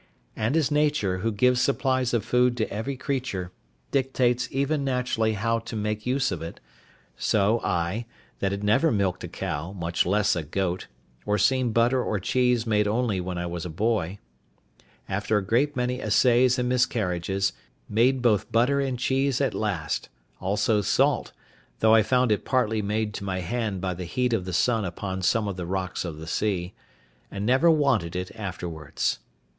And as Nature, who gives supplies of food to every creature, dictates even naturally how to make use of it, so I, that had never milked a cow, much less a goat, or seen butter or cheese made only when I was a boy, after a great many essays and miscarriages, made both butter and cheese at last, also salt (though I found it partly made to my hand by the heat of the sun upon some of the rocks of the sea), and never wanted it afterwards.